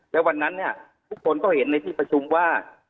แล้ววันนั้นเนี่ยทุกคนก็เห็นในที่ประชุมว่า